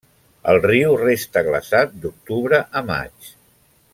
El riu resta glaçat d'octubre a maig.